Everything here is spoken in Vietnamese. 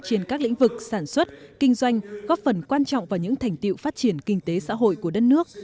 trên các lĩnh vực sản xuất kinh doanh góp phần quan trọng vào những thành tiệu phát triển kinh tế xã hội của đất nước